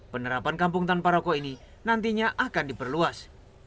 penerapan kampung tanpa rokok ini nantinya akan diperluas